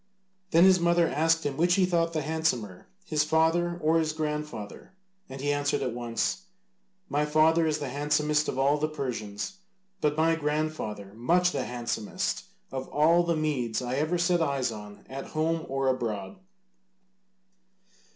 Then his mother asked him which he thought the handsomer, his father or his grandfather, and he answered at once, "My father is the handsomest of all the Persians, but my grandfather much the handsomest of all the Medes I ever set eyes on, at home or abroad."